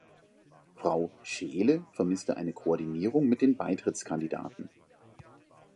Frau Scheele vermisste eine Koordinierung mit den Beitrittskandidaten.